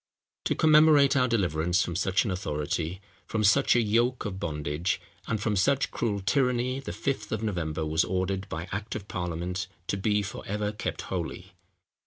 To commemorate our deliverance from such an authority—from such a yoke of bondage—and from such cruel tyranny, the Fifth of November was ordered by act of parliament to be for ever kept holy.